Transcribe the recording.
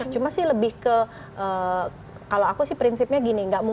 cuma sih lebih ke kalau aku sih prinsipnya gini